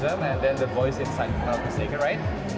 untuk superhero yang seharusnya berlari